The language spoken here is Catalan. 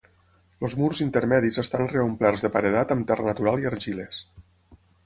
Els murs intermedis estan reomplerts de paredat amb terra natural i argiles.